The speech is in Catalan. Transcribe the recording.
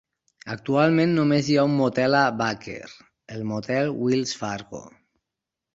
Actualment només hi ha un motel a Baker, el motel Wills Fargo.